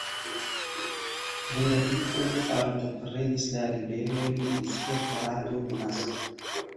Henriko ne partoprenis la ribelojn de sia frato Tomaso.